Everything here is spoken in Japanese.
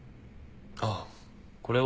あっこれは。